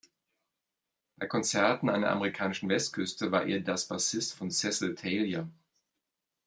Bei Konzerten an der amerikanischen Westküste war er das Bassist von Cecil Taylor.